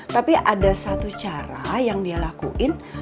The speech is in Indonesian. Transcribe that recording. tapi ada satu cara yang dia lakuin